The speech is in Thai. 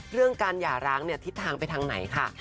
เรื่องการหย่าร้างเนี่ยทิศทางไปทางไหนค่ะ